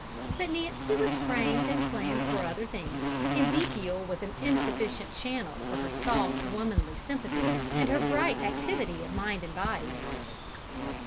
But Nancy was framed and planned for other things, and 'Zekiel was an insufficient channel for her soft, womanly sympathy and her bright activity of mind and body.